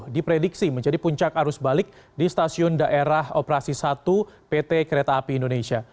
diprediksi menjadi puncak arus balik di stasiun daerah operasi satu pt kereta api indonesia